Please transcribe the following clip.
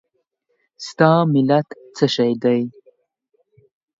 ستا ملت څه شی دی؟